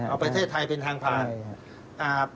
เอาประเทศไทยเป็นทางผ่าน